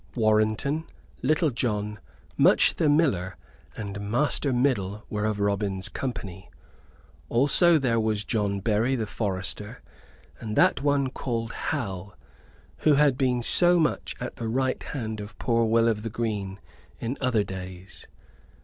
Warrenton, Little John, Much the Miller, and Master Middle were of Robin's company. Also there was John Berry, the forester, and that one called Hal, who had been so much at the right hand of poor Will o' th' Green in other days.